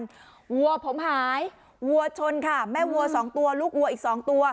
วัวผมหายวัวชนค่ะแม่วัวสองตัวลูกวัวอีกสองตัว